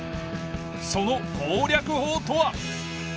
その攻略法とは？